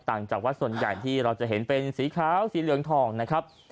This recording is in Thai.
จากวัดส่วนใหญ่ที่เราจะเห็นเป็นสีขาวสีเหลืองทองนะครับ